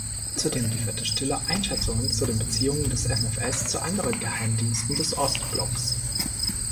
Zudem lieferte Stiller Einschätzungen zu den Beziehungen des MfS zu anderen Geheimdiensten des Ostblocks.